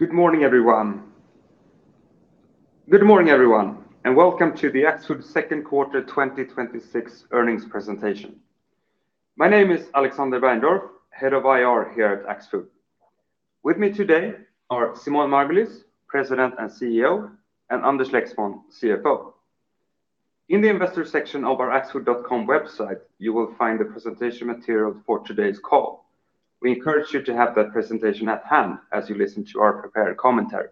Good morning, everyone, and welcome to the Axfood second quarter 2026 earnings presentation. My name is Alexander Bergendorf, Head of IR here at Axfood. With me today are Simone Margulies, President and CEO, and Anders Lexmon, CFO. In the investor section of our axfood.com website, you will find the presentation material for today's call. We encourage you to have that presentation at hand as you listen to our prepared commentary.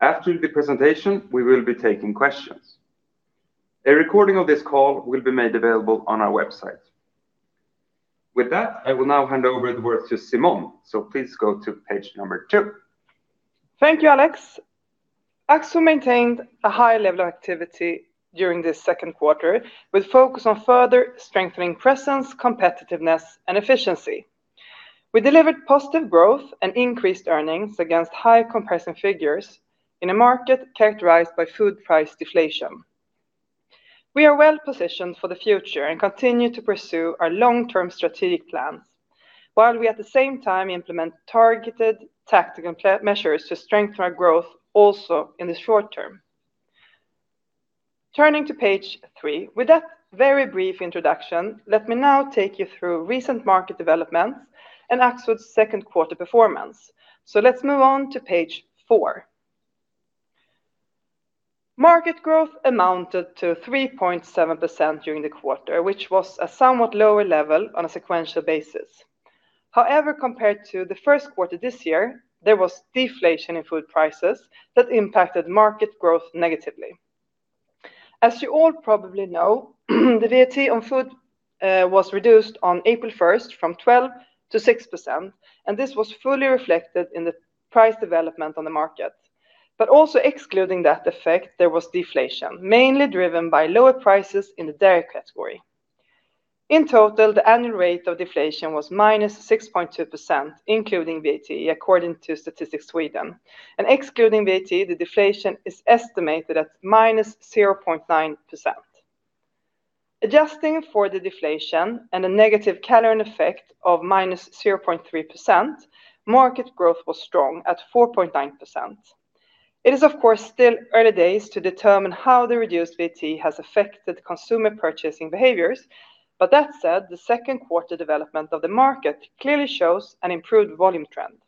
After the presentation, we will be taking questions. A recording of this call will be made available on our website. With that, I will now hand over the words to Simone. Please go to page number two. Thank you, Alex. Axfood maintained a high level of activity during this second quarter, with focus on further strengthening presence, competitiveness and efficiency. We delivered positive growth and increased earnings against high comparison figures in a market characterized by food price deflation. We are well positioned for the future and continue to pursue our long-term strategic plans, while we at the same time implement targeted tactical measures to strengthen our growth also in the short term. Turning to page three, with that very brief introduction, let me now take you through recent market developments and Axfood's second quarter performance. Let's move on to page four. Market growth amounted to 3.7% during the quarter, which was a somewhat lower level on a sequential basis. However, compared to the first quarter this year, there was deflation in food prices that impacted market growth negatively. As you all probably know, the VAT on food was reduced on April 1st from 12% to 6%. This was fully reflected in the price development on the market. Also excluding that effect, there was deflation, mainly driven by lower prices in the dairy category. In total, the annual rate of deflation was -6.2%, including VAT, according to Statistics Sweden. Excluding VAT, the deflation is estimated at -0.9%. Adjusting for the deflation and a negative calendar effect of -0.3%, market growth was strong at 4.9%. It is of course still early days to determine how the reduced VAT has affected consumer purchasing behaviors. That said, the second quarter development of the market clearly shows an improved volume trend.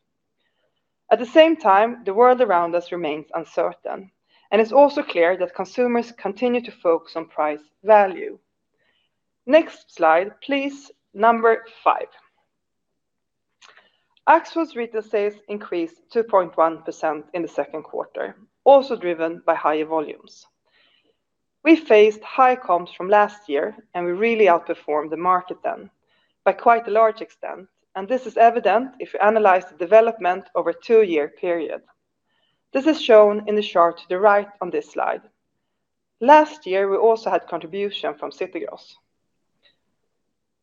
At the same time, the world around us remains uncertain, it's also clear that consumers continue to focus on price value. Next slide, please, number five. Axfood's retail sales increased 2.1% in the second quarter, also driven by higher volumes. We faced high comps from last year, we really outperformed the market then by quite a large extent. This is evident if you analyze the development over a two-year period. This is shown in the chart to the right on this slide. Last year, we also had contribution from City Gross.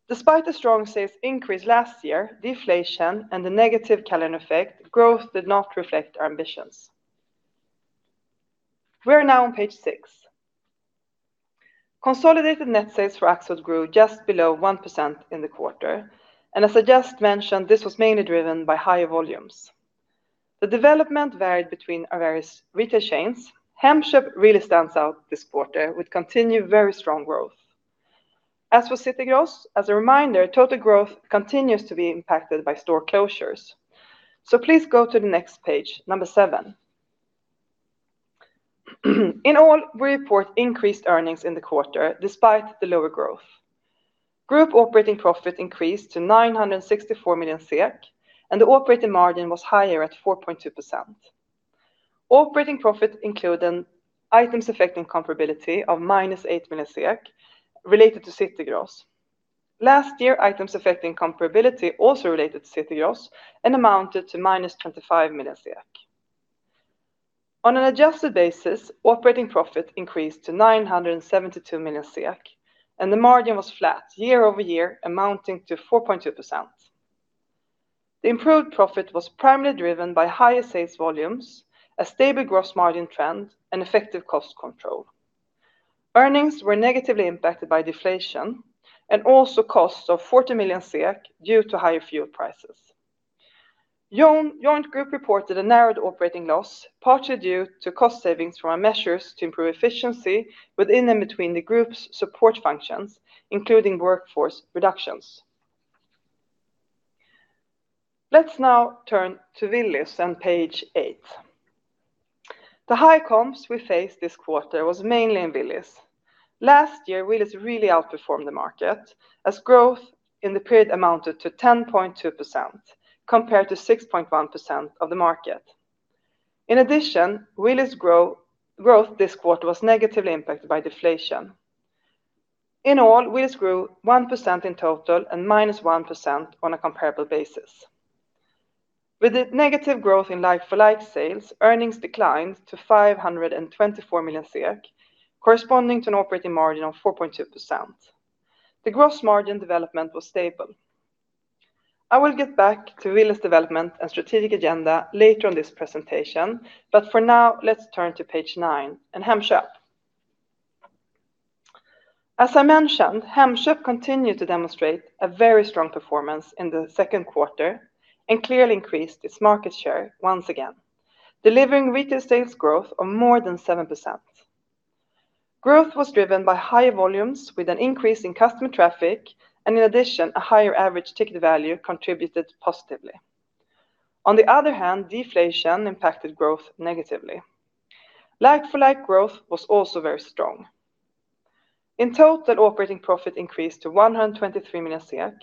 Despite the strong sales increase last year, deflation and the negative calendar effect, growth did not reflect our ambitions. We are now on page six. Consolidated net sales for Axfood grew just below 1% in the quarter. As I just mentioned, this was mainly driven by higher volumes. The development varied between our various retail chains. Hemköp really stands out this quarter with continued very strong growth. As for City Gross, as a reminder, total growth continues to be impacted by store closures. Please go to the next page, number seven. In all, we report increased earnings in the quarter despite the lower growth. Group operating profit increased to 964 million SEK, and the operating margin was higher at 4.2%. Operating profit included items affecting comparability of -8 million related to City Gross. Last year, items affecting comparability also related to City Gross and amounted to -25 million. On an adjusted basis, operating profit increased to 972 million, and the margin was flat year-over-year, amounting to 4.2%. The improved profit was primarily driven by higher sales volumes, a stable gross margin trend and effective cost control. Earnings were negatively impacted by deflation and also costs of 40 million SEK due to higher fuel prices. Joint group reported a narrowed operating loss, partly due to cost savings from our measures to improve efficiency within and between the group's support functions, including workforce reductions. Let's now turn to Willys on page eight. The high comps we faced this quarter was mainly in Willys. Last year, Willys really outperformed the market as growth in the period amounted to 10.2%, compared to 6.1% of the market. In addition, Willys growth this quarter was negatively impacted by deflation. In all, Willys grew 1% in total and -1% on a comparable basis. With the negative growth in like-for-like sales, earnings declined to 524 million SEK, corresponding to an operating margin of 4.2%. The gross margin development was stable. I will get back to Willys' development and strategic agenda later in this presentation, for now, let's turn to page nine and Hemköp. As I mentioned, Hemköp continued to demonstrate a very strong performance in the second quarter and clearly increased its market share once again, delivering retail sales growth of more than 7%. Growth was driven by higher volumes with an increase in customer traffic, and in addition, a higher average ticket value contributed positively. On the other hand, deflation impacted growth negatively. Like-for-like growth was also very strong. In total, operating profit increased to 123 million SEK,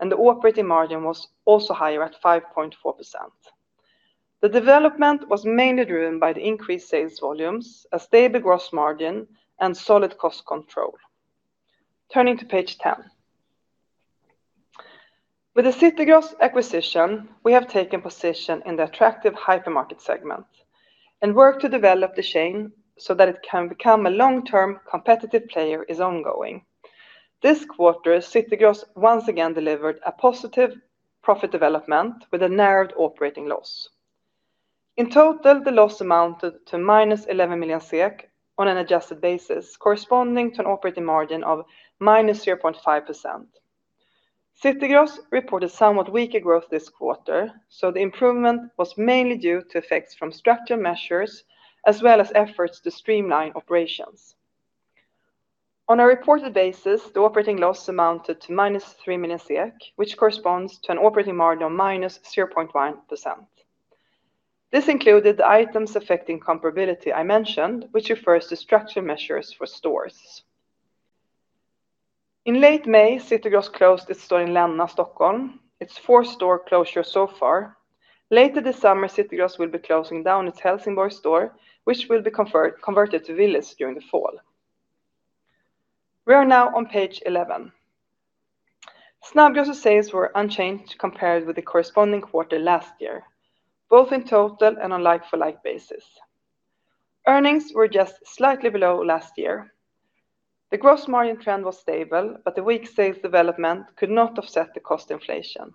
and the operating margin was also higher at 5.4%. The development was mainly driven by the increased sales volumes, a stable gross margin, and solid cost control. Turning to page 10. With the City Gross acquisition, we have taken position in the attractive hypermarket segment and work to develop the chain so that it can become a long-term competitive player is ongoing. This quarter, City Gross once again delivered a positive profit development with a narrowed operating loss. In total, the loss amounted to -11 million SEK on an adjusted basis, corresponding to an operating margin of -0.5%. City Gross reported somewhat weaker growth this quarter, the improvement was mainly due to effects from structural measures as well as efforts to streamline operations. On a reported basis, the operating loss amounted to -3 million, which corresponds to an operating margin of -0.1%. This included the items affecting comparability I mentioned, which refers to structural measures for stores. In late May, City Gross closed its store in Länna, Stockholm, its fourth store closure so far. Later this summer, City Gross will be closing down its Helsingborg store, which will be converted to Willys during the fall. We are now on page 11. Snabbgross' sales were unchanged compared with the corresponding quarter last year, both in total and on like-for-like basis. Earnings were just slightly below last year. The gross margin trend was stable, but the weak sales development could not offset the cost inflation.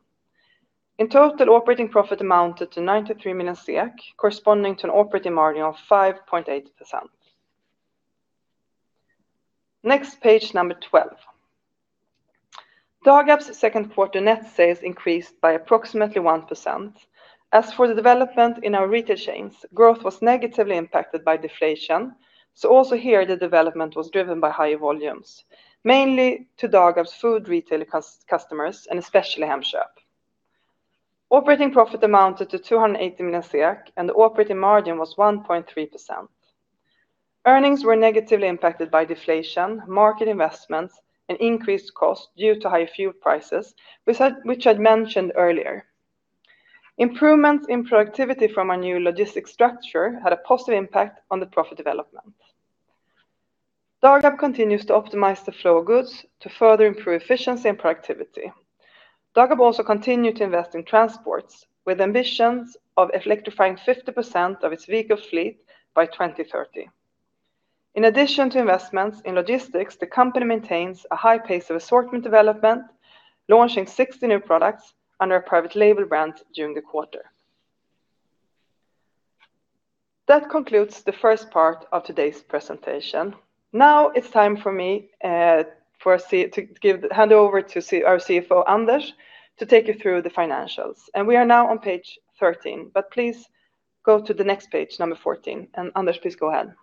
In total, operating profit amounted to 93 million, corresponding to an operating margin of 5.8%. Next, page number 12. Dagab's second quarter net sales increased by approximately 1%. As for the development in our retail chains, growth was negatively impacted by deflation, so also here, the development was driven by higher volumes, mainly to Dagab's food retail customers and especially Hemköp. Operating profit amounted to 280 million SEK and the operating margin was 1.3%. Earnings were negatively impacted by deflation, market investments, and increased cost due to high fuel prices, which I mentioned earlier. Improvements in productivity from our new logistics structure had a positive impact on the profit development. Dagab continues to optimize the flow of goods to further improve efficiency and productivity. Dagab also continued to invest in transports with ambitions of electrifying 50% of its vehicle fleet by 2030. In addition to investments in logistics, the company maintains a high pace of assortment development, launching 60 new products under a private label brand during the quarter. That concludes the first part of today's presentation. Now it is time for me to hand over to our CFO, Anders, to take you through the financials, and we are now on page 13, but please go to the next page, number 14, and Anders, please go ahead.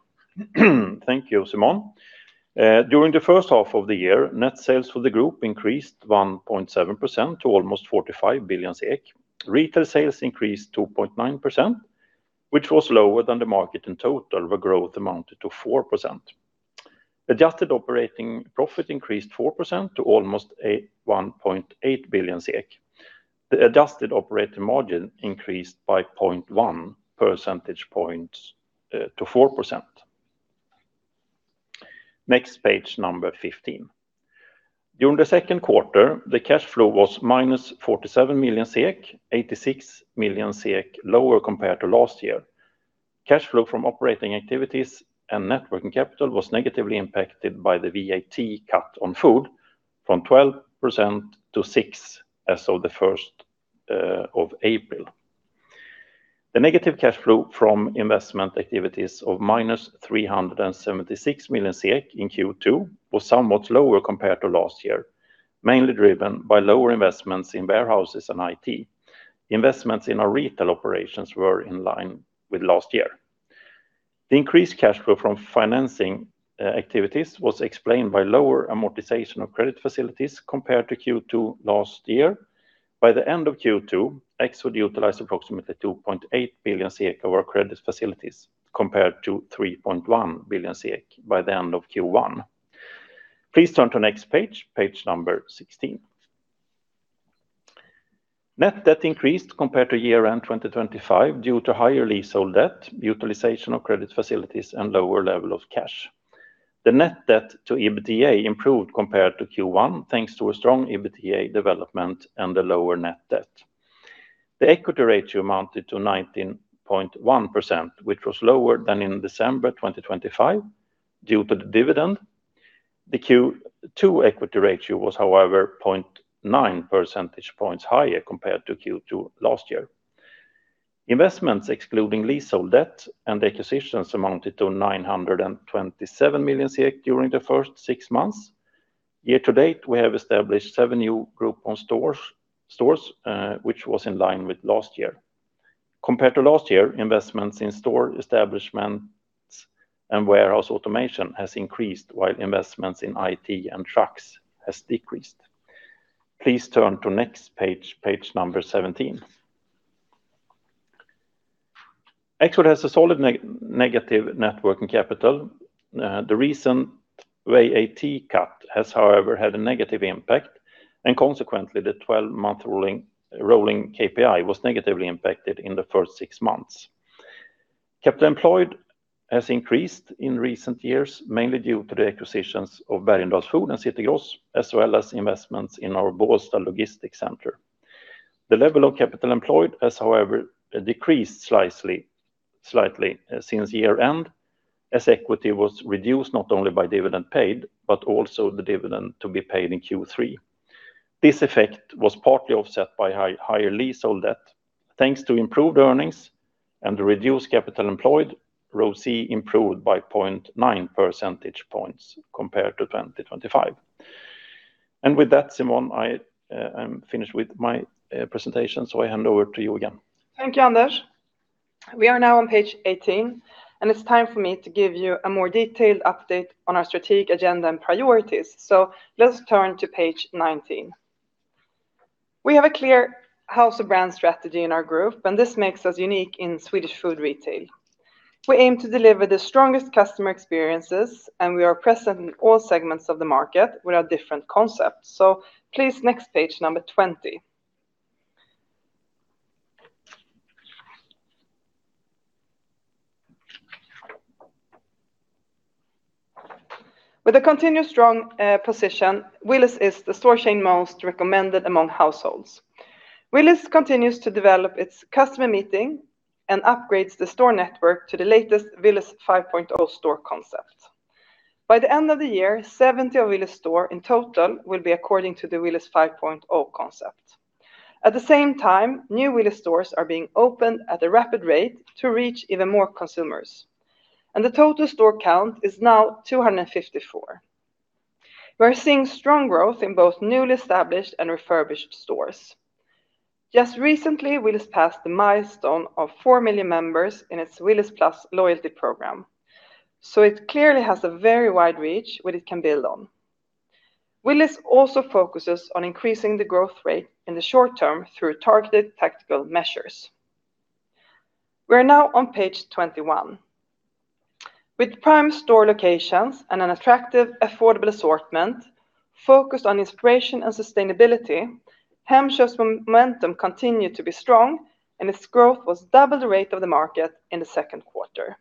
Thank you, Simone. During the first half of the year, net sales for the group increased 1.7% to almost 45 billion SEK. Retail sales increased 2.9%, which was lower than the market in total, where growth amounted to 4%. Adjusted operating profit increased 4% to almost 1.8 billion SEK. The adjusted operating margin increased by 0.1 percentage points to 4%. Next, page number 15. During the second quarter, the cash flow was -47 million SEK, 86 million SEK lower compared to last year. Cash flow from operating activities and net working capital was negatively impacted by the VAT cut on food from 12% to 6% as of the 1st of April. The negative cash flow from investment activities of -376 million SEK in Q2 was somewhat lower compared to last year, mainly driven by lower investments in warehouses and IT. Investments in our retail operations were in line with last year. The increased cash flow from financing activities was explained by lower amortization of credit facilities compared to Q2 last year. By the end of Q2, Axfood utilized approximately 2.8 billion SEK of our credit facilities, compared to 3.1 billion SEK by the end of Q1. Please turn to next page number 16. Net debt increased compared to year-end 2025 due to higher leasehold debt, utilization of credit facilities, and lower level of cash. The net debt to EBITDA improved compared to Q1 thanks to a strong EBITDA development and a lower net debt. The equity ratio amounted to 19.1%, which was lower than in December 2025 due to the dividend. The Q2 equity ratio was, however, 0.9 percentage points higher compared to Q2 last year. Investments excluding leasehold debt and acquisitions amounted to 927 million during the first six months. Year to date, we have established seven new Group own stores, which was in line with last year. Compared to last year, investments in store establishments and warehouse automation has increased while investments in IT and trucks has decreased. Please turn to next page number 17. Axfood has a solid negative net working capital. The recent VAT cut has, however, had a negative impact, and consequently, the 12-month rolling KPI was negatively impacted in the first six months. Capital employed has increased in recent years, mainly due to the acquisitions of Bergendahls Food and City Gross, as well as investments in our Bålsta logistics center. The level of capital employed has, however, decreased slightly since year-end, as equity was reduced not only by dividend paid, but also the dividend to be paid in Q3. This effect was partly offset by higher leasehold debt. Thanks to improved earnings and the reduced capital employed, ROCE improved by 0.9 percentage points compared to 2025. With that, Simone, I am finished with my presentation, I hand over to you again. Thank you, Anders. We are now on page 18, it's time for me to give you a more detailed update on our strategic agenda and priorities. Let's turn to page 19. We have a clear house of brand strategy in our group, this makes us unique in Swedish food retail. We aim to deliver the strongest customer experiences, we are present in all segments of the market with our different concepts. Please, next page number 20. With a continued strong position, Willys is the store chain most recommended among households. Willys continues to develop its customer meeting and upgrades the store network to the latest Willys 5.0 store concept. By the end of the year, 70 Willys store in total will be according to the Willys 5.0 concept. At the same time, new Willys stores are being opened at a rapid rate to reach even more consumers. The total store count is now 254. We're seeing strong growth in both newly established and refurbished stores. Just recently, Willys passed the milestone of 4 million members in its Willys Plus loyalty program. It clearly has a very wide reach that it can build on. Willys also focuses on increasing the growth rate in the short term through targeted tactical measures. We are now on page 21. With prime store locations and an attractive, affordable assortment focused on inspiration and sustainability, Hemköp's momentum continued to be strong, its growth was double the rate of the market in the second quarter.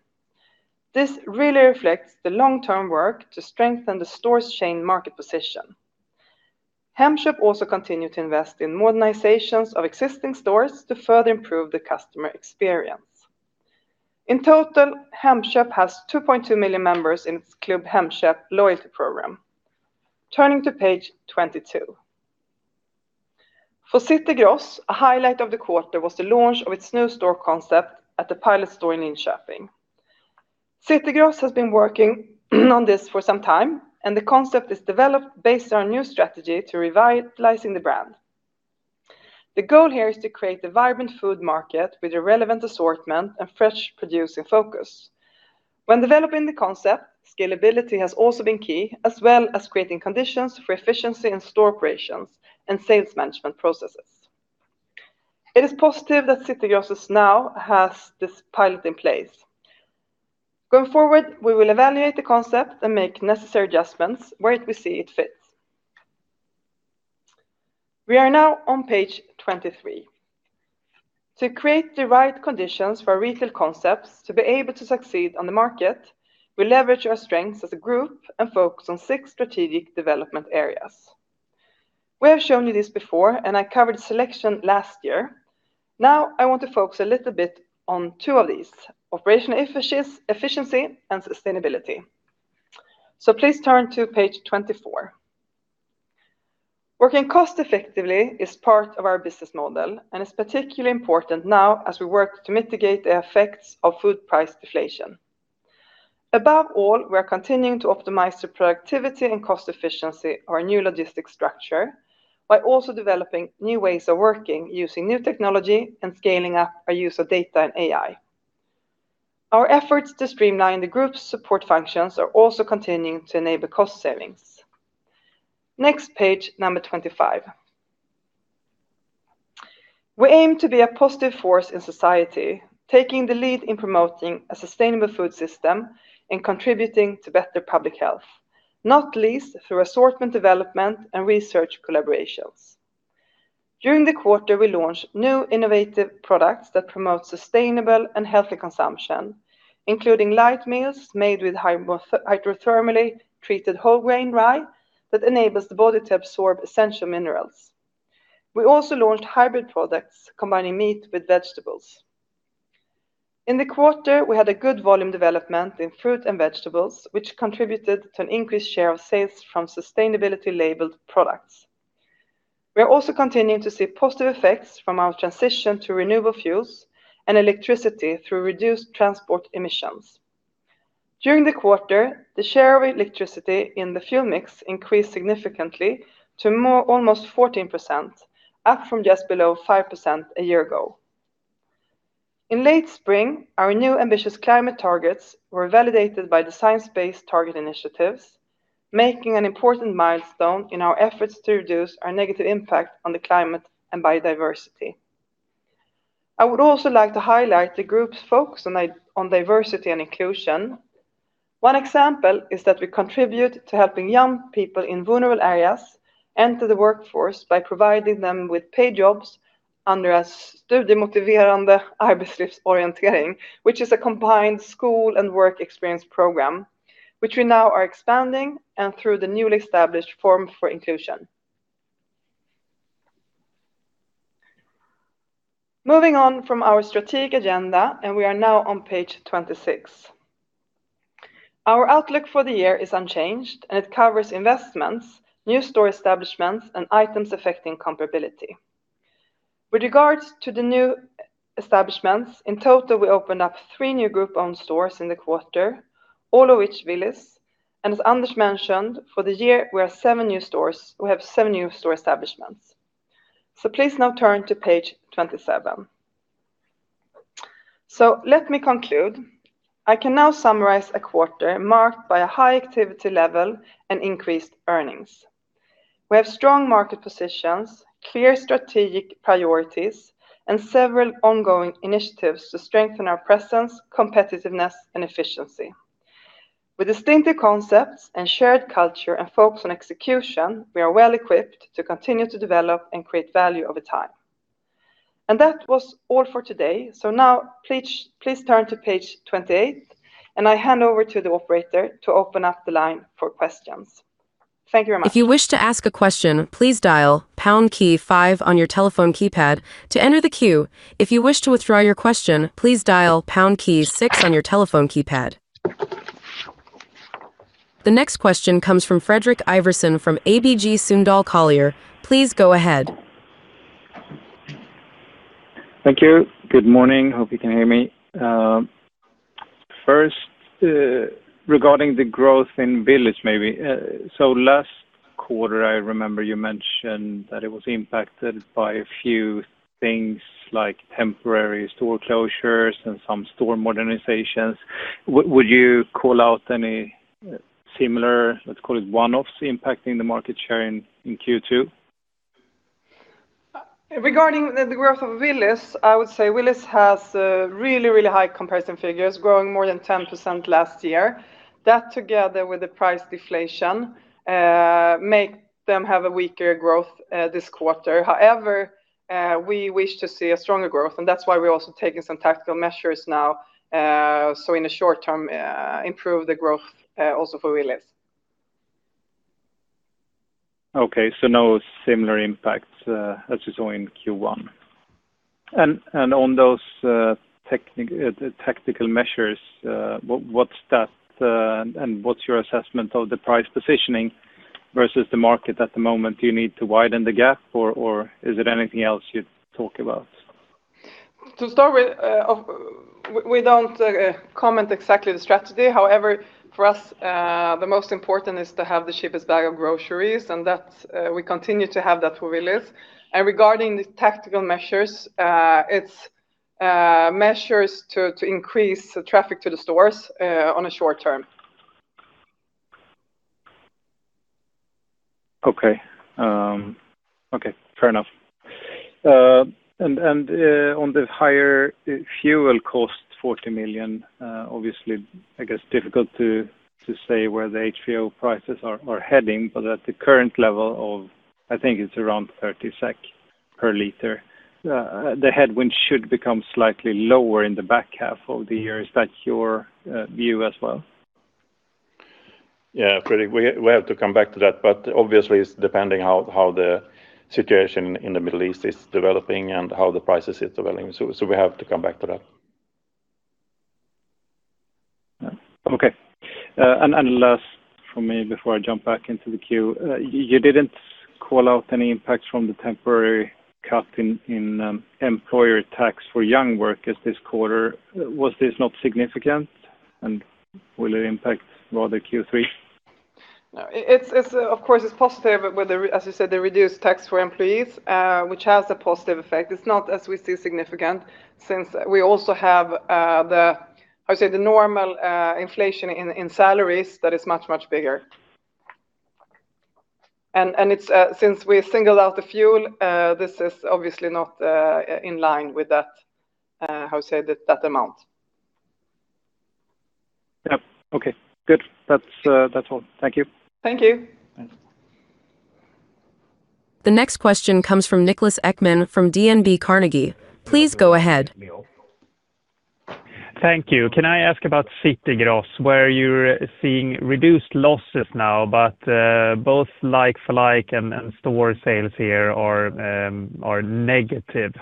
This really reflects the long-term work to strengthen the store chain market position. Hemköp also continued to invest in modernizations of existing stores to further improve the customer experience. In total, Hemköp has 2.2 million members in its Club Hemköp loyalty program. Turning to page 22. For City Gross, a highlight of the quarter was the launch of its new store concept at the pilot store in Linköping. City Gross has been working on this for some time, and the concept is developed based on a new strategy to revitalize the brand. The goal here is to create a vibrant food market with a relevant assortment and fresh produce in focus. When developing the concept, scalability has also been key, as well as creating conditions for efficiency in store operations and sales management processes. It is positive that City Gross now has this pilot in place. Going forward, we will evaluate the concept and make necessary adjustments where we see it fits. We are now on page 23. To create the right conditions for our retail concepts to be able to succeed on the market, we leverage our strengths as a group and focus on six strategic development areas. We have shown you this before, and I covered selection last year. Now, I want to focus a little bit on two of these, operational efficiency, and sustainability. Please turn to page 24. Working cost effectively is part of our business model and is particularly important now as we work to mitigate the effects of food price deflation. Above all, we are continuing to optimize the productivity and cost efficiency of our new logistics structure by also developing new ways of working using new technology and scaling up our use of data and AI. Our efforts to streamline the group's support functions are also continuing to enable cost savings. Next page number 25. We aim to be a positive force in society, taking the lead in promoting a sustainable food system and contributing to better public health, not least through assortment development and research collaborations. During the quarter, we launched new innovative products that promote sustainable and healthy consumption, including light meals made with hydrothermally treated whole grain rye that enables the body to absorb essential minerals. We also launched hybrid products combining meat with vegetables. In the quarter, we had a good volume development in fruit and vegetables, which contributed to an increased share of sales from sustainability labeled products. We are also continuing to see positive effects from our transition to renewable fuels and electricity through reduced transport emissions. During the quarter, the share of electricity in the fuel mix increased significantly to almost 14%, up from just below 5% a year ago. In late spring, our new ambitious climate targets were validated by the Science Based Targets initiative, making an important milestone in our efforts to reduce our negative impact on the climate and biodiversity. I would also like to highlight the group's focus on diversity and inclusion. One example is that we contribute to helping young people in vulnerable areas enter the workforce by providing them with paid jobs under a study "Studiemotiverande arbetslivsorientering", which is a combined school and work experience program, which we now are expanding and through the newly established Forum for Inclusion. Moving on from our strategic agenda, we are now on page 26. Our outlook for the year is unchanged, it covers investments, new store establishments, and items affecting comparability. With regards to the new establishments, in total, we opened up three new group-owned stores in the quarter, all of which Willys, and as Anders mentioned, for the year, we have seven new store establishments. Please now turn to page 27. Let me conclude. I can now summarize a quarter marked by a high activity level and increased earnings. We have strong market positions, clear strategic priorities, and several ongoing initiatives to strengthen our presence, competitiveness, and efficiency. With distinctive concepts and shared culture and focus on execution, we are well equipped to continue to develop and create value over time. That was all for today. Now, please turn to page 28, and I hand over to the operator to open up the line for questions. Thank you very much. If you wish to ask a question, please dial pound key five on your telephone keypad to enter the queue. If you wish to withdraw your question, please dial pound key six on your telephone keypad. The next question comes from Fredrik Ivarsson from ABG Sundal Collier. Please go ahead. Thank you. Good morning. Hope you can hear me. First, regarding the growth in Willys maybe. Last quarter, I remember you mentioned that it was impacted by a few things like temporary store closures and some store modernizations. Would you call out any similar, let's call it one-offs, impacting the market share in Q2? Regarding the growth of Willys, I would say Willys has really high comparison figures, growing more than 10% last year. That together with the price deflation, make them have a weaker growth this quarter. However, we wish to see a stronger growth, and that's why we're also taking some tactical measures now, so in the short term, improve the growth also for Willys. Okay. No similar impacts as you saw in Q1. On those tactical measures, what's that and what's your assessment of the price positioning versus the market at the moment? Do you need to widen the gap, or is it anything else you'd talk about? To start with, we don't comment exactly the strategy. However, for us, the most important is to have the cheapest bag of groceries, and we continue to have that for Willys. Regarding the tactical measures, it's measures to increase the traffic to the stores on a short term. Okay. Fair enough. On the higher fuel cost, 40 million, obviously, I guess difficult to say where the HVO prices are heading, but at the current level of, I think it's around 30 SEK per liter. The headwind should become slightly lower in the back half of the year. Is that your view as well? Yeah, Fredrik, we have to come back to that, but obviously, it's depending how the situation in the Middle East is developing and how the prices is developing. We have to come back to that. Okay. Last from me before I jump back into the queue. You didn't call out any impacts from the temporary cut in employer tax for young workers this quarter. Was this not significant? Will it impact rather Q3? No. Of course, it's positive with the, as you said, the reduced tax for employees, which has a positive effect. It's not, as we see, significant, since we also have the, how you say, the normal inflation in salaries that is much, much bigger. Since we singled out the fuel, this is obviously not in line with that, how you say, that amount. Yep. Okay, good. That's all. Thank you. Thank you. Thanks. The next question comes from Niklas Ekman from DNB Carnegie. Please go ahead. Thank you. Can I ask about City Gross, where you're seeing reduced losses now, but both like-for-like and store sales here are negative.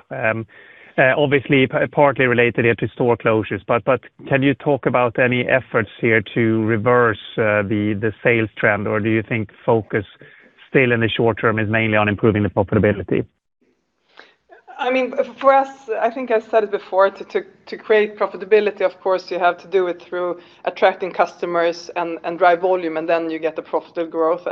Obviously, partly related here to store closures, but can you talk about any efforts here to reverse the sales trend, or do you think focus still in the short term is mainly on improving the profitability? I think I said it before, to create profitability, of course, you have to do it through attracting customers and drive volume, then you get the profitable growth.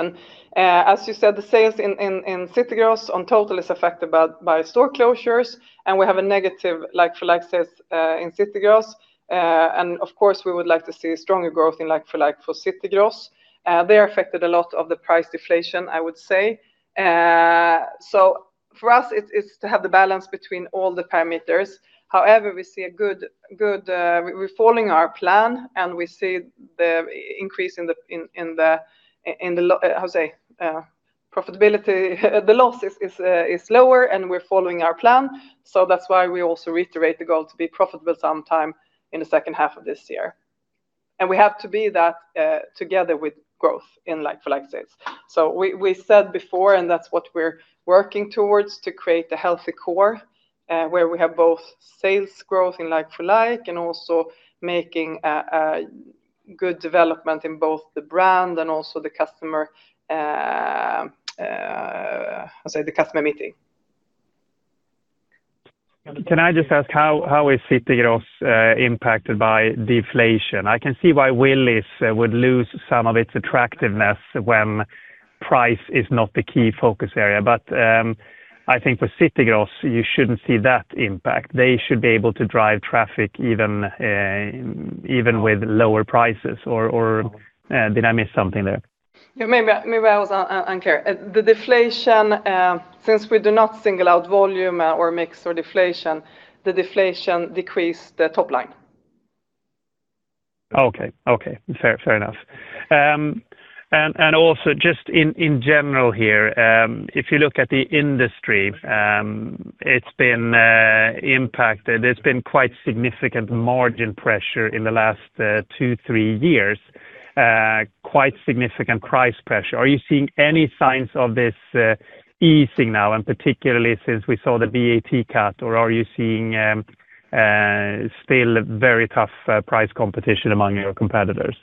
As you said, the sales in City Gross on total is affected by store closures, and we have a negative like-for-like sales in City Gross. Of course, we would like to see stronger growth in like-for-like for City Gross. They are affected a lot of the price deflation, I would say. For us, it's to have the balance between all the parameters. However, we're following our plan and we see the increase in the, how say, profitability. The loss is lower and we're following our plan. That's why we also reiterate the goal to be profitable sometime in the second half of this year. We have to be that together with growth in like-for-like sales. We said before, and that's what we're working towards, to create a healthy core where we have both sales growth in like-for-like and also making a good development in both the brand and also the customer meeting. Can I just ask how is City Gross impacted by deflation? I can see why Willys would lose some of its attractiveness when price is not the key focus area. I think for City Gross, you shouldn't see that impact. They should be able to drive traffic even with lower prices. Did I miss something there? Yeah, maybe I was unclear. Since we do not single out volume or mix or deflation, the deflation decreased the top line. Okay. Fair enough. Also just in general here, if you look at the industry, it's been impacted. There's been quite significant margin pressure in the last two, three years, quite significant price pressure. Are you seeing any signs of this easing now, particularly since we saw the VAT cut, are you seeing still very tough price competition among your competitors?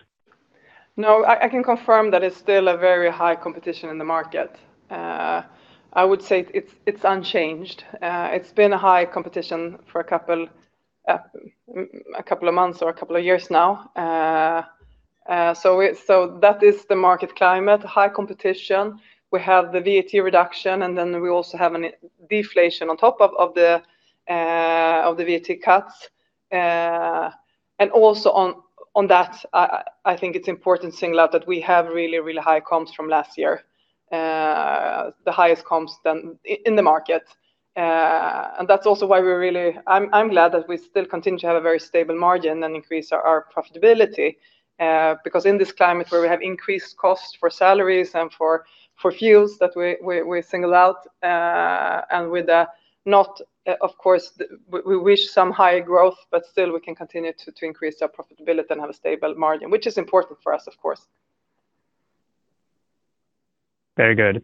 No, I can confirm that it's still a very high competition in the market. I would say it's unchanged. It's been a high competition for a couple of months or a couple of years now. That is the market climate, high competition. We have the VAT reduction, then we also have a deflation on top of the VAT cuts. Also on that, I think it's important to single out that we have really high comps from last year, the highest comps in the market. That's also why I'm glad that we still continue to have a very stable margin and increase our profitability, because in this climate where we have increased costs for salaries and for fuels that we single out, we wish some high growth, but still we can continue to increase our profitability and have a stable margin, which is important for us, of course. Very good.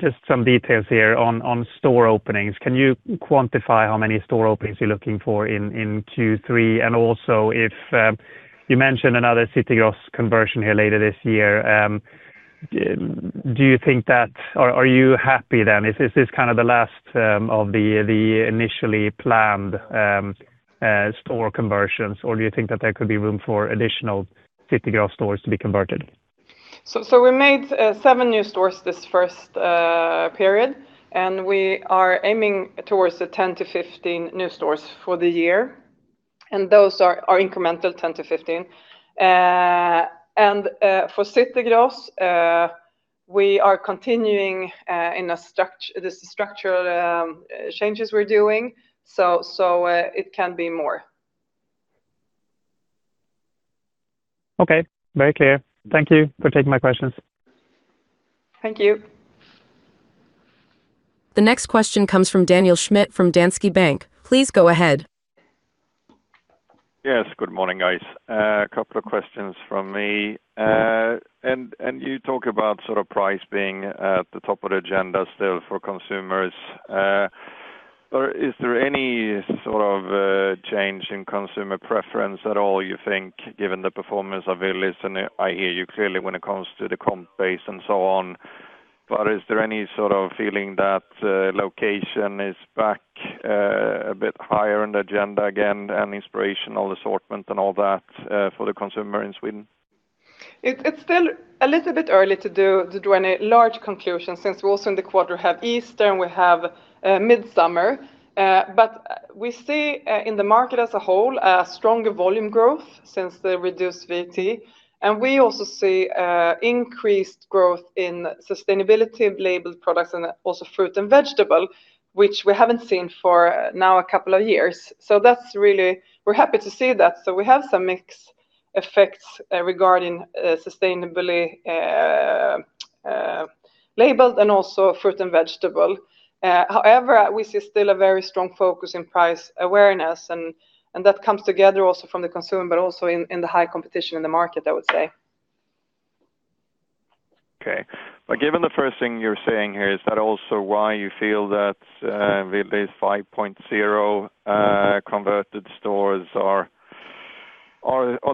Just some details here on store openings. Can you quantify how many store openings you're looking for in Q3? If you mentioned another City Gross conversion here later this year, are you happy then? Is this kind of the last of the initially planned store conversions, or do you think that there could be room for additional City Gross stores to be converted? We made seven new stores this first period, we are aiming towards the 10-15 new stores for the year, those are incremental, 10-15. For City Gross, we are continuing in the structural changes we're doing. It can be more. Okay. Very clear. Thank you for taking my questions. Thank you. The next question comes from Daniel Schmidt from Danske Bank. Please go ahead. Yes, good morning, guys. A couple of questions from me. You talk about sort of price being at the top of the agenda still for consumers. Is there any sort of change in consumer preference at all, you think, given the performance of Willys? I hear you clearly when it comes to the comp base and so on, but is there any sort of feeling that location is back a bit higher on the agenda again and inspirational assortment and all that for the consumer in Sweden? It's still a little bit early to draw any large conclusions since we also in the quarter have Easter and we have Midsummer. We see in the market as a whole a stronger volume growth since the reduced VAT. We also see increased growth in sustainability labeled products and also fruit and vegetable, which we haven't seen for now a couple of years. We're happy to see that. We have some mix effects regarding sustainably labeled and also fruit and vegetable. However, we see still a very strong focus in price awareness and that comes together also from the consumer, but also in the high competition in the market, I would say. Okay. Given the first thing you're saying here, is that also why you feel that Willys 5.0 converted stores, are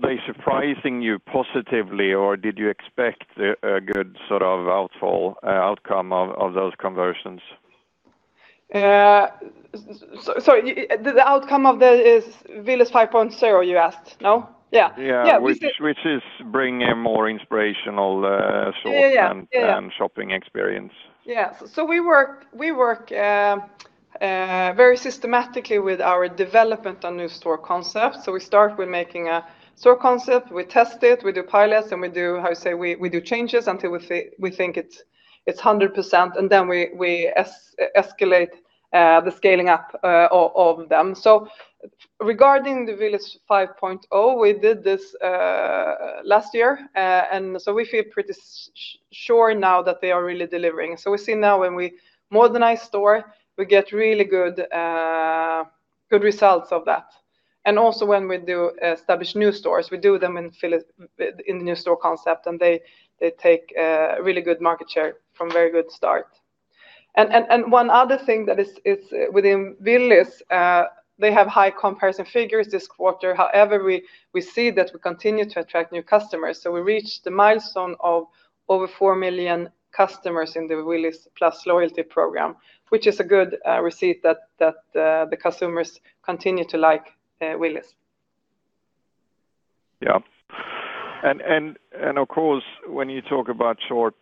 they surprising you positively, or did you expect a good sort of outcome of those conversions? Sorry, the outcome of the Willys 5.0, you asked, no? Yeah. Yeah. Which is bringing a more inspirational sort- Yeah And shopping experience. Yes. We work very systematically with our development on new store concepts. We start with making a store concept. We test it, we do pilots, and we do changes until we think it's 100%, and then we escalate the scaling up of them. Regarding the Willys 5.0, we did this last year. We feel pretty sure now that they are really delivering. We see now when we modernize store, we get really good results of that. Also when we do establish new stores, we do them in the new store concept, and they take a really good market share from very good start. One other thing that is within Willys, they have high comparison figures this quarter. However, we see that we continue to attract new customers. We reached the milestone of over 4 million customers in the Willys Plus loyalty program, which is a good reception that the consumers continue to like Willys. Yeah. Of course, when you talk about short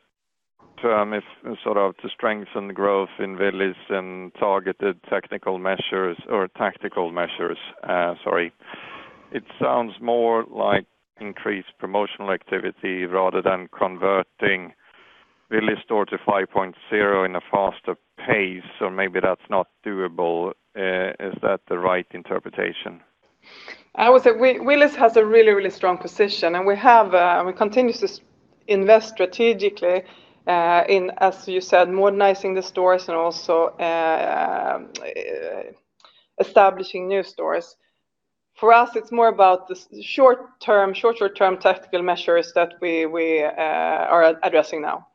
term, is sort of to strengthen the growth in Willys and targeted technical measures or tactical measures, sorry. It sounds more like increased promotional activity rather than converting Willys store to 5.0 in a faster pace. Maybe that's not doable. Is that the right interpretation? I would say Willys has a really, really strong position. We continue to invest strategically, in, as you said, modernizing the stores and also establishing new stores. For us, it's more about the short term tactical measures that we are addressing now.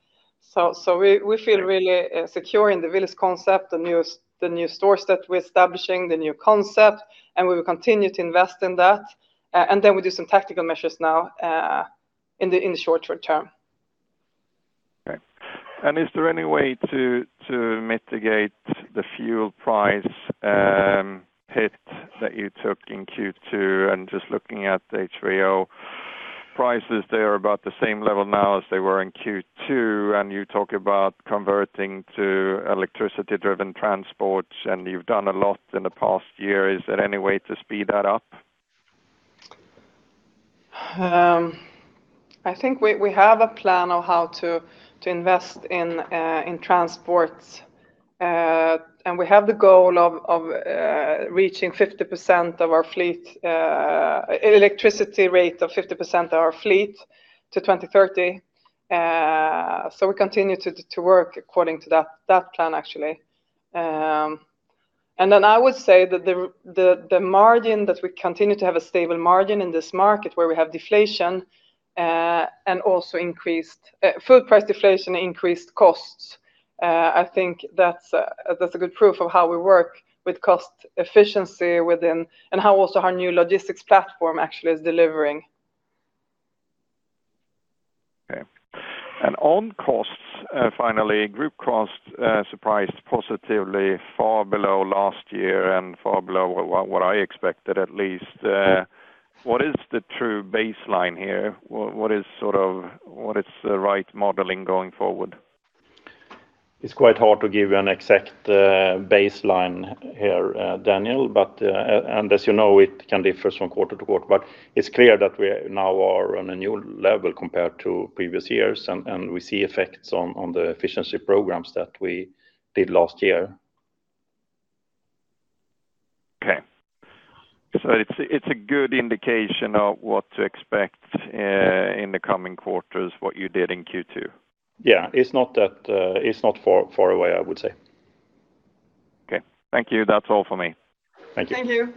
We feel really secure in the Willys concept, the new stores that we're establishing, the new concept. We will continue to invest in that. We do some tactical measures now in the short term. Okay. Is there any way to mitigate the fuel price hit that you took in Q2? Just looking at the HVO prices, they are about the same level now as they were in Q2. You talk about converting to electricity-driven transports, and you've done a lot in the past year. Is there any way to speed that up? I think we have a plan on how to invest in transports. We have the goal of reaching 50% of our fleet, electricity rate of 50% of our fleet to 2030. We continue to work according to that plan, actually. I would say that the margin that we continue to have a stable margin in this market where we have deflation, also increased food price deflation and increased costs. I think that's a good proof of how we work with cost efficiency within, how also our new logistics platform actually is delivering. Okay. On costs, finally, group costs surprised positively far below last year and far below what I expected at least. What is the true baseline here? What is the right modeling going forward? It's quite hard to give you an exact baseline here, Daniel, as you know, it can differ from quarter to quarter. It's clear that we now are on a new level compared to previous years, we see effects on the efficiency programs that we did last year. Okay. It's a good indication of what to expect in the coming quarters, what you did in Q2? Yeah. It's not far away, I would say. Okay. Thank you. That's all for me. Thank you. Thank you.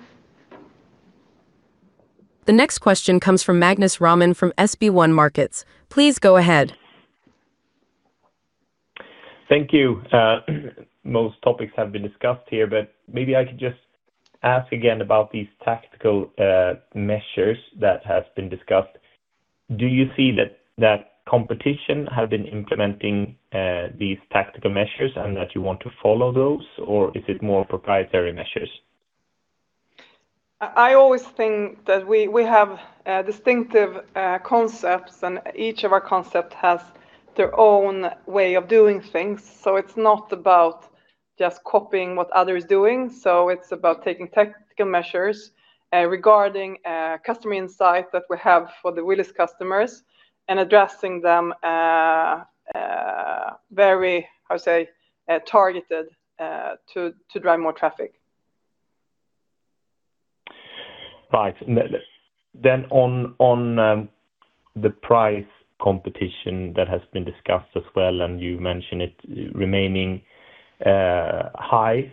The next question comes from Magnus Råman from SB1 Markets. Please go ahead. Thank you. Most topics have been discussed here, but maybe I could just ask again about these tactical measures that has been discussed. Do you see that competition have been implementing these tactical measures and that you want to follow those, or is it more proprietary measures? I always think that we have distinctive concepts and each of our concept has their own way of doing things. It's not about just copying what others are doing. It's about taking tactical measures regarding customer insight that we have for the Willys customers and addressing them very targeted to drive more traffic. Right. On the price competition that has been discussed as well, you mentioned it remaining high.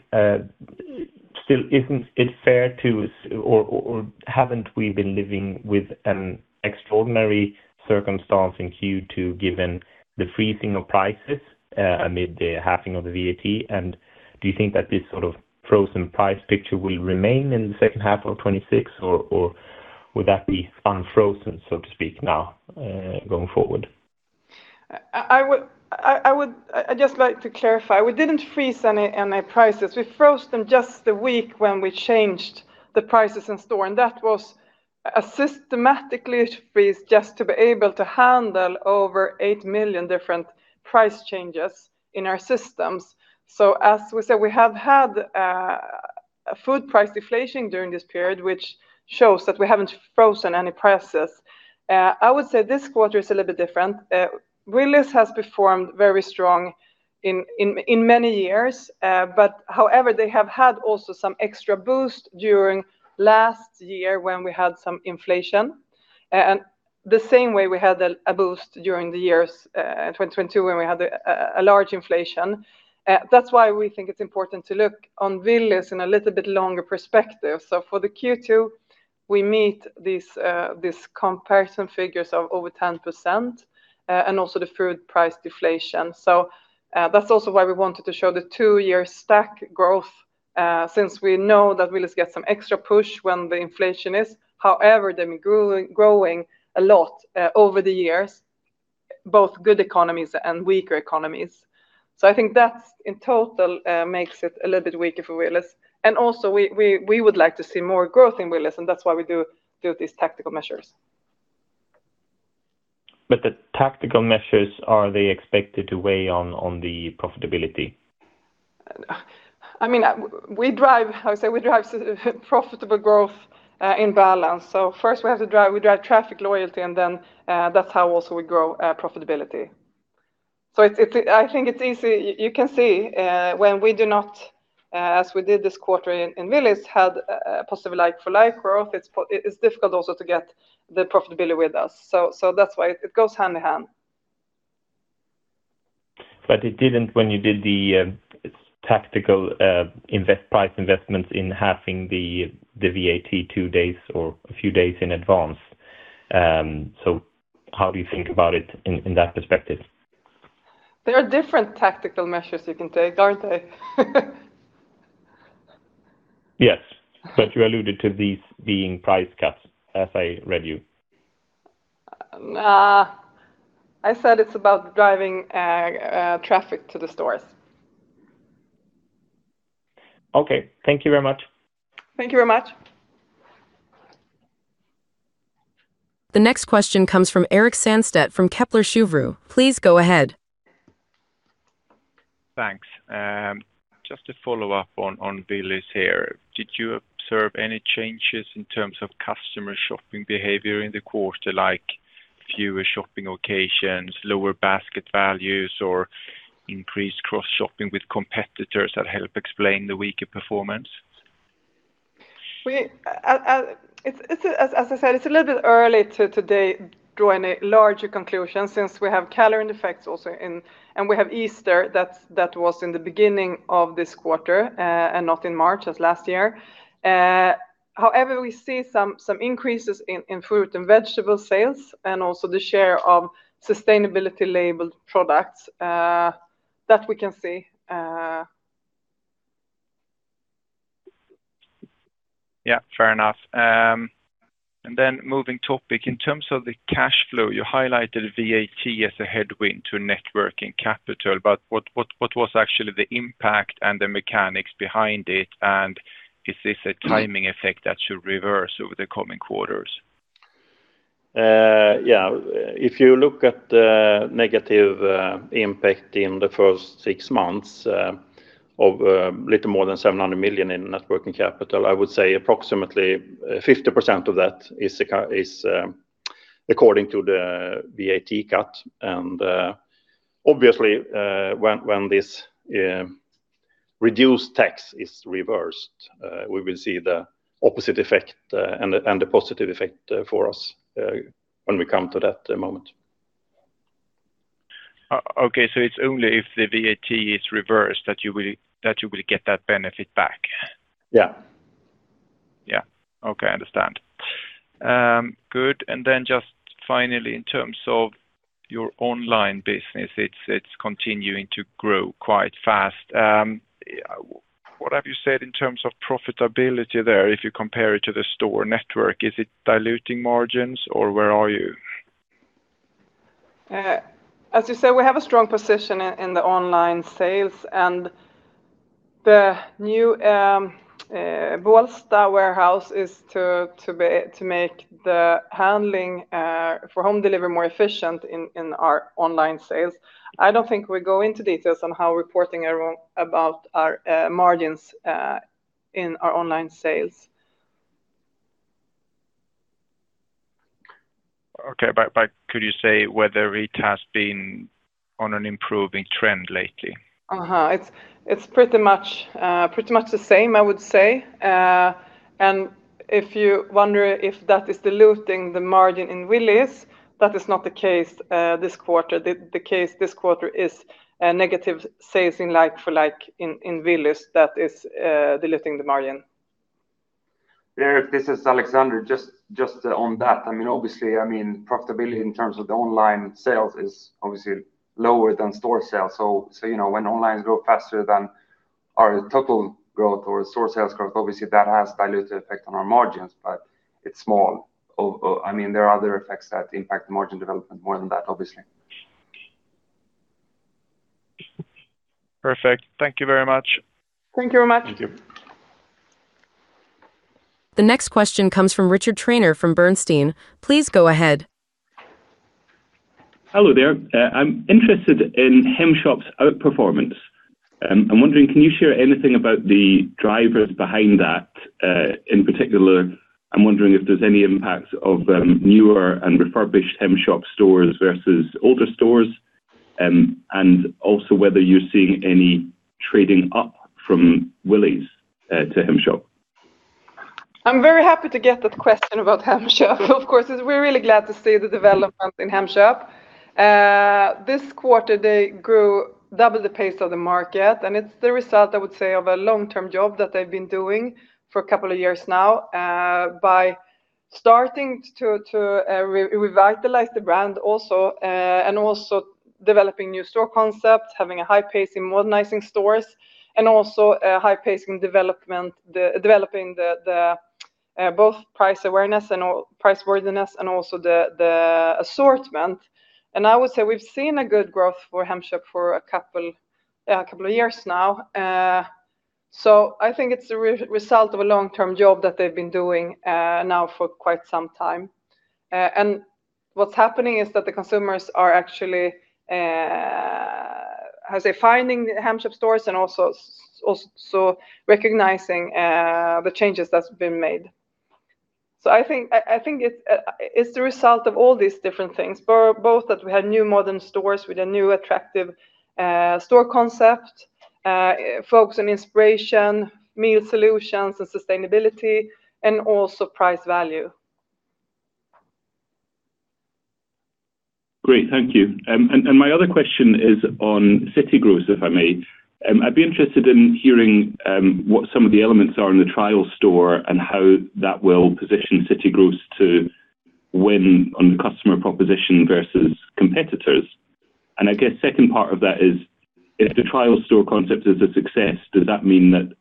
Still, isn't it fair to, or haven't we been living with an extraordinary circumstance in Q2 given the freezing of prices amid the halving of the VAT? Do you think that this sort of frozen price picture will remain in the second half of 2026, or would that be unfrozen, so to speak, now, going forward? I'd just like to clarify. We didn't freeze any prices. We froze them just the week when we changed the prices in store, and that was a systematically freeze just to be able to handle over 8 million different price changes in our systems. As we said, we have had a food price deflation during this period, which shows that we haven't frozen any prices. I would say this quarter is a little bit different. Willys has performed very strong in many years. However, they have had also some extra boost during last year when we had some inflation. The same way we had a boost during the years, 2022, when we had a large inflation. We think it's important to look on Willys in a little bit longer perspective. For the Q2, we meet these comparison figures of over 10%, and also the food price deflation. That's also why we wanted to show the two-year stack growth, since we know that Willys get some extra push when the inflation is. However, they've been growing a lot over the years, both good economies and weaker economies. I think that in total makes it a little bit weaker for Willys. Also we would like to see more growth in Willys, and that's why we do these tactical measures. The tactical measures, are they expected to weigh on the profitability? I would say we drive profitable growth in balance. First we drive traffic loyalty, that's how also we grow profitability. I think it's easy. You can see when we do not, as we did this quarter in Willys, had a positive like-for-like growth, it's difficult also to get the profitability with us. That's why it goes hand in hand. It didn't when you did the tactical price investments in halving the VAT two days or a few days in advance. How do you think about it in that perspective? There are different tactical measures you can take, aren't they? Yes. You alluded to these being price cuts, as I read you. I said it's about driving traffic to the stores. Okay. Thank you very much. Thank you very much. The next question comes from Erik Sandstedt from Kepler Cheuvreux. Please go ahead. Thanks. Just a follow-up on Willys here. Did you observe any changes in terms of customer shopping behavior in the quarter, like fewer shopping occasions, lower basket values, or increased cross-shopping with competitors that help explain the weaker performance? As I said, it's a little bit early to today draw any larger conclusion since we have calendar effects also in, and we have Easter, that was in the beginning of this quarter, and not in March as last year. However, we see some increases in fruit and vegetable sales and also the share of sustainability labeled products, that we can see. Yeah. Fair enough. Moving topic. In terms of the cash flow, you highlighted VAT as a headwind to networking capital, what was actually the impact and the mechanics behind it, is this a timing effect that should reverse over the coming quarters? Yeah. If you look at the negative impact in the first six months of little more than 700 million in net working capital, I would say approximately 50% of that is according to the VAT cut. Obviously, when this reduced tax is reversed, we will see the opposite effect and the positive effect for us when we come to that moment. Okay, it's only if the VAT is reversed that you will get that benefit back? Yeah. Yeah. Okay. I understand. Good. Just finally, in terms of your online business, it's continuing to grow quite fast. What have you said in terms of profitability there, if you compare it to the store network? Is it diluting margins or where are you? As you said, we have a strong position in the online sales and the new Bålsta warehouse is to make the handling for home delivery more efficient in our online sales. I don't think we go into details on how we're reporting about our margins in our online sales. Okay. Could you say whether it has been on an improving trend lately? It's pretty much the same, I would say. If you wonder if that is diluting the margin in Willys, that is not the case this quarter. The case this quarter is a negative sales in like for like in Willys that is diluting the margin. Erik, this is Alexander. Just on that, obviously profitability in terms of the online sales is obviously lower than store sales. When online grow faster than our total growth or store sales growth, obviously that has dilutive effect on our margins. It's small. There are other effects that impact margin development more than that, obviously. Perfect. Thank you very much. Thank you very much. Thank you. The next question comes from Richard Trainor from Bernstein. Please go ahead. Hello there. I'm interested in Hemköp's outperformance. I'm wondering, can you share anything about the drivers behind that? In particular, I'm wondering if there's any impact of newer and refurbished Hemköp stores versus older stores, also whether you're seeing any trading up from Willys to Hemköp. I'm very happy to get that question about Hemköp. Of course, we're really glad to see the development in Hemköp. This quarter, they grew double the pace of the market, it's the result, I would say, of a long-term job that they've been doing for a couple of years now, by starting to revitalize the brand also, and also developing new store concepts, having a high pace in modernizing stores, and also a high pace in developing both price worthiness and also the assortment. I would say we've seen a good growth for Hemköp for a couple of years now. I think it's a result of a long-term job that they've been doing now for quite some time. What's happening is that the consumers are actually, how do you say, finding Hemköp stores and also recognizing the changes that's been made. I think it's the result of all these different things, both that we had new modern stores with a new attractive store concept, focus on inspiration, meal solutions, and sustainability, and also price value. Great. Thank you. My other question is on City Gross, if I may. I'd be interested in hearing what some of the elements are in the trial store and how that will position City Gross to win on the customer proposition versus competitors. I guess second part of that is, if the trial store concept is a success, does that mean that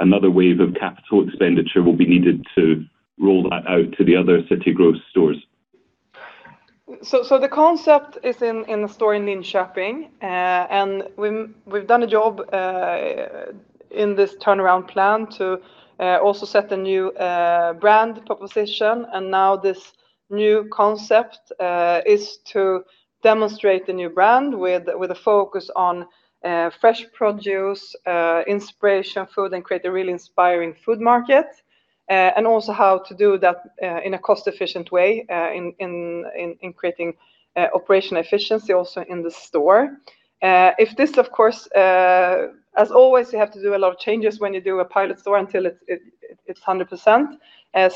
another wave of capital expenditure will be needed to roll that out to the other City Gross stores? The concept is in a store in Linköping. We've done a job in this turnaround plan to also set a new brand proposition. Now this new concept is to demonstrate the new brand with a focus on fresh produce, inspiration, food, and create a really inspiring food market, and also how to do that in a cost-efficient way in creating operational efficiency also in the store. If this, of course, as always, you have to do a lot of changes when you do a pilot store until it's 100%.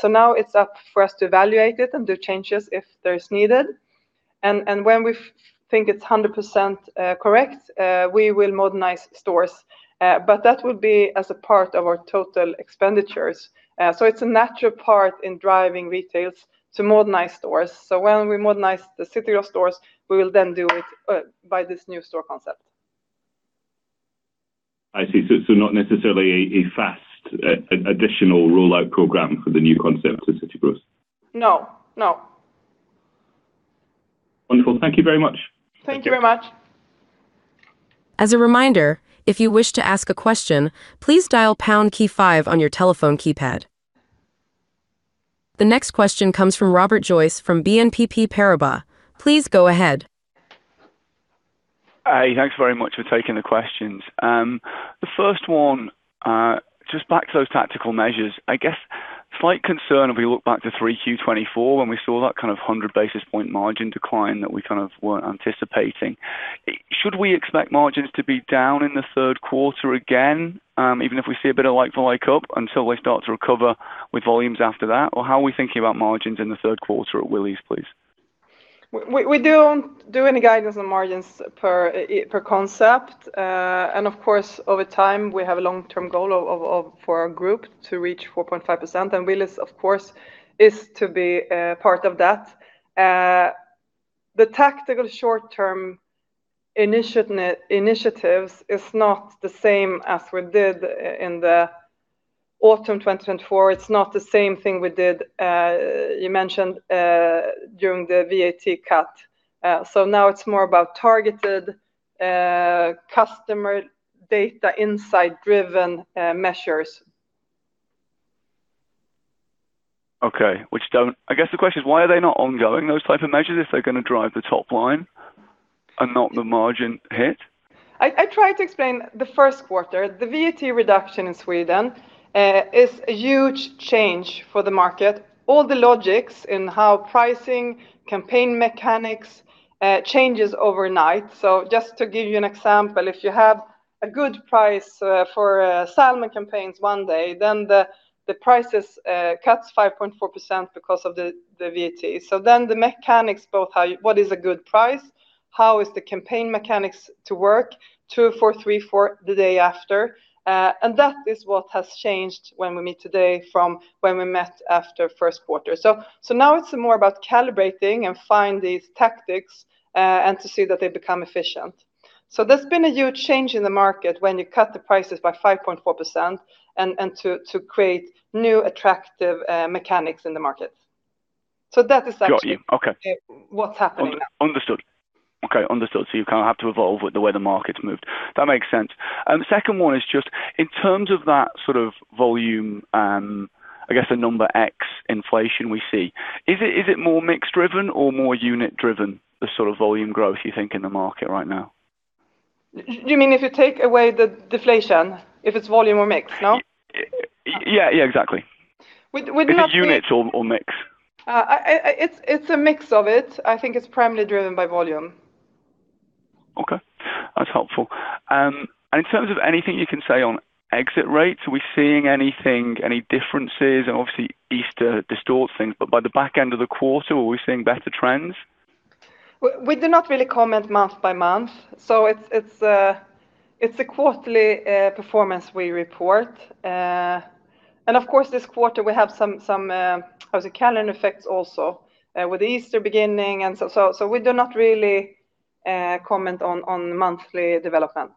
Now it's up for us to evaluate it and do changes if there's needed. When we think it's 100% correct, we will modernize stores. That will be as a part of our total expenditures. It's a natural part in driving retails to modernize stores. When we modernize the City Gross stores, we will then do it by this new store concept. I see. Not necessarily a fast additional rollout program for the new concept of City Gross. No, no. Wonderful. Thank you very much. Thank you very much. As a reminder, if you wish to ask a question, please dial pound key five on your telephone keypad. The next question comes from Robert Joyce from BNP Paribas. Please go ahead. Hi. Thanks very much for taking the questions. The first one, just back to those tactical measures. I guess slight concern if we look back to 3Q 2024 when we saw that kind of 100 basis points margin decline that we kind of weren't anticipating. Should we expect margins to be down in the third quarter again, even if we see a bit of like for like up until they start to recover with volumes after that? How are we thinking about margins in the third quarter at Willys, please? We don't do any guidance on margins per concept. Of course, over time, we have a long-term goal for our group to reach 4.5%, and Willys, of course, is to be a part of that. The tactical short-term initiatives is not the same as we did in the autumn 2024. It's not the same thing we did, you mentioned, during the VAT cut. Now it's more about targeted customer data insight-driven measures. Okay. I guess the question is why are they not ongoing, those type of measures, if they're going to drive the top line? Not the margin hit? I tried to explain the first quarter, the VAT reduction in Sweden is a huge change for the market. All the logics in how pricing, campaign mechanics changes overnight. Just to give you an example, if you have a good price for salmon campaigns one day, then the prices cuts 5.4% because of the VAT. Then the mechanics, both what is a good price, how is the campaign mechanics to work two, four, three, four, the day after. That is what has changed when we meet today from when we met after first quarter. Now it's more about calibrating and find these tactics, and to see that they become efficient. There's been a huge change in the market when you cut the prices by 5.4%, and to create new attractive mechanics in the market. That is actually- Got you. Okay What's happening. Understood. Okay. Understood. You have to evolve with the way the market's moved. That makes sense. Second one is just in terms of that sort of volume, I guess the number X inflation we see, is it more mix driven or more unit driven, the sort of volume growth you think in the market right now? You mean if you take away the deflation, if it's volume or mix, no? Yeah, exactly. We're not. If it's units or mix. it's a mix of it. I think it's primarily driven by volume. Okay, that's helpful. In terms of anything you can say on exit rates, are we seeing anything, any differences? Obviously Easter distorts things, but by the back end of the quarter, are we seeing better trends? We do not really comment month by month. It's a quarterly performance we report. Of course this quarter we have some calendar effects also, with Easter beginning. We do not really comment on monthly development.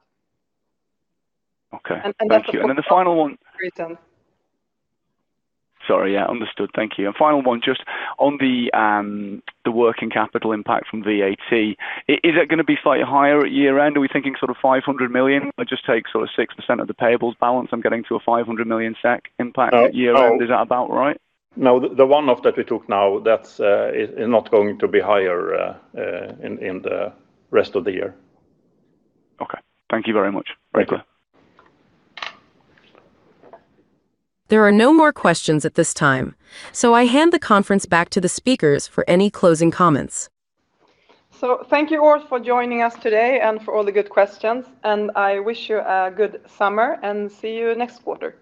Okay. Thank you. And that's- The final one. Written. Sorry. Yeah. Understood. Thank you. Final one, just on the working capital impact from VAT, is it going to be slightly higher at year end? Are we thinking sort of 500 million? I'm getting to a 500 million SEK impact at year end. Is that about right? No, the one-off that we took now, that's not going to be higher in the rest of the year. Okay. Thank you very much. Very clear. There are no more questions at this time. I hand the conference back to the speakers for any closing comments. Thank you all for joining us today and for all the good questions, and I wish you a good summer and see you next quarter.